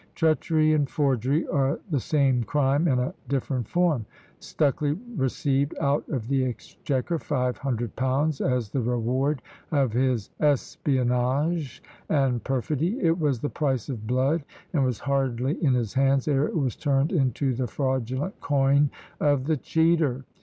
Treachery and forgery are the same crime in a different form. Stucley received out of the exchequer five hundred pounds, as the reward of his espionnage and perfidy. It was the price of blood, and was hardly in his hands ere it was turned into the fraudulent coin of "the cheater!"